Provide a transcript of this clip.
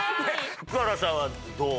福原さんはどう？